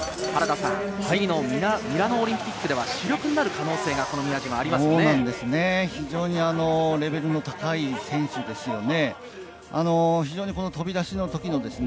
次のミラノオリンピックでは、主力になる可能性があ非常にレベルの高い選手ですよね。